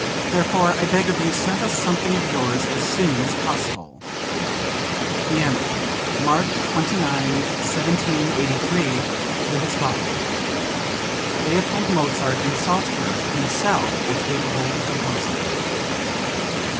Therefore I beg of you send us something of yours as soon as possible." (Vienna, March 29, 1783, to his father, Leopold Mozart in Salzburg, himself a capable composer.)